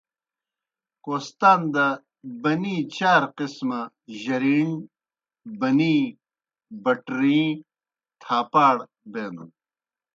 کوستان دہ بَنِی چار قِسمہ جرِیݨ، بَنِی، بٹرِیں، تھاپاڑ بینَن۔